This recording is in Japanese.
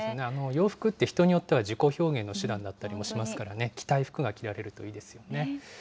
洋服って、人によっては自己表現の手段だったりもしますからね、着たい服が着られるといいですよね。